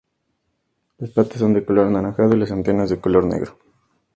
Las patas son de color anaranjado y las antenas de color negro.